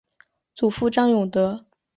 祖父张永德。